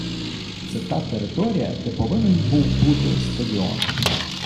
Це та територія, де повинен був бути стадіон.